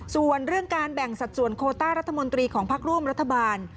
ส่วนเรื่องการแบ่งสัดส่วนโคต้ารัฐมนตรีของพักร่วมรัฐบาล